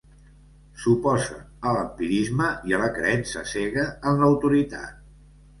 S'oposa a l'empirisme i a la creença cega en l'autoritat.